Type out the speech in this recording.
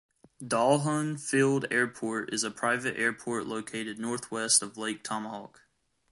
Dolhun Field Airport is a private airport located northwest of Lake Tomahawk.